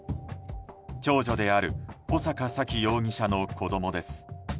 長女である穂坂沙喜容疑者の子供です。